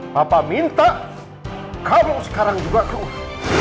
papa minta kamu sekarang juga keluar